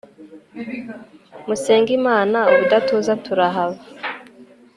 musenge imana ubudatuza turahava